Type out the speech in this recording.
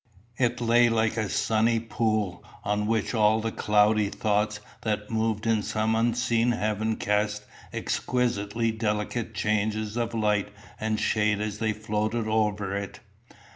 It lay like a little sunny pool, on which all the cloudy thoughts that moved in some unseen heaven cast exquisitely delicate changes of light and shade as they floated over it.